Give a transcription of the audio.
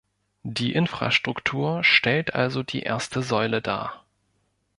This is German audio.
Die Infrastruktur stellt also die erste Säule dar.